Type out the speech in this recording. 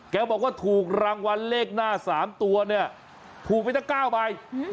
แกบอกว่าถูกรางวัลเลขหน้า๓ตัวเนี่ยถูกไปตั้ง๙ใบ